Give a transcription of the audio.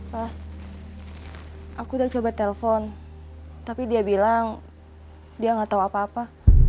pak aku sudah coba telepon tapi dia bilang dia enggak tahu apa apa